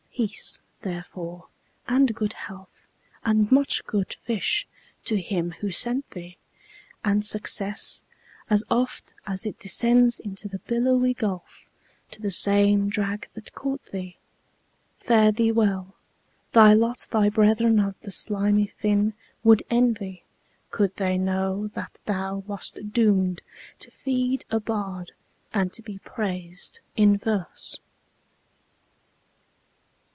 Peace, therefore, and good health, and much good fish, To him who sent thee! and success, as oft As it descends into the billowy gulf, To the same drag that caught thee! Fare thee well! Thy lot thy brethern of the slimy fin Would envy, could they know that thou wast doom'd To feed a bard, and to be prais'd in verse.